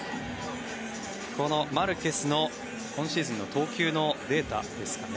このマルケスの今シーズンの投球のデータですかね。